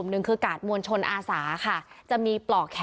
ของกลุ่มผู้ชุมนุมอ่ะนะคะ